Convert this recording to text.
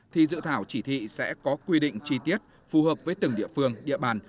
thì dự thảo chỉ thị sẽ có quy định chi tiết phù hợp với từng địa phương địa bàn